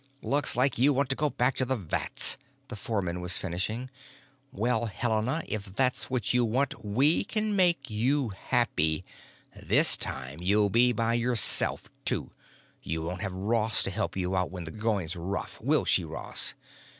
"——looks like you want to go back to the vats," the foreman was finishing. "Well, Helena, if that's what you want we can make you happy. This time you'll be by yourself, too; you won't have Ross to help you out when the going's rough. Will she, Ross?"